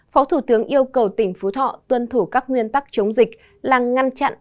phó thủ tướng yêu cầu tỉnh phú thọ tuân thủ các nguyên tắc chống dịch là ngăn chặn